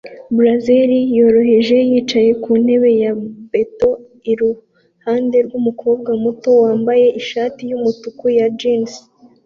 blazer yoroheje yicaye ku ntebe ya beto iruhande rwumukobwa muto wambaye ishati yumutuku na jans